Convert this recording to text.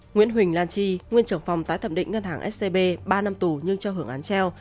nguyễn huỳnh lan chi nguyên trưởng phòng tái thẩm định ngân hàng scb ba năm tù nhưng cho hưởng án treo